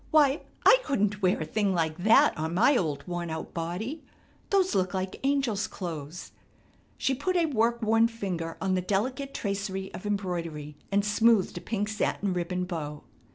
Why, I couldn't wear a thing like that on my old worn out body. Those look like angels' clothes." She put a work worn finger on the delicate tracery of embroidery and smoothed a pink satin ribbon bow.